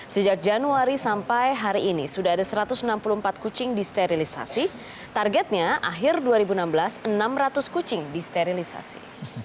sejak januari sampai hari ini sudah ada satu ratus enam puluh empat kucing disterilisasi targetnya akhir dua ribu enam belas enam ratus kucing disterilisasi